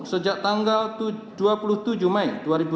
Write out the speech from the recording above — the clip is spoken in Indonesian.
sejak tanggal dua puluh tujuh mai dua ribu enam belas